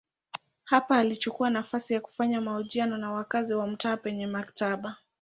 Hapa alichukua nafasi ya kufanya mahojiano na wakazi wa mtaa penye maktaba.